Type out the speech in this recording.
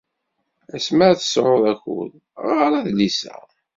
Asmi ad tesɛuḍ akud ɣeṛ adlis-a.